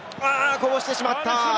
こぼしてしまった。